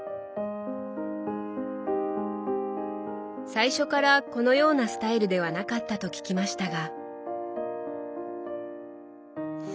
最初からこのようなスタイルではなかったと聞きましたが。